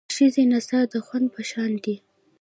د ښې نڅا د خوند په شان دی.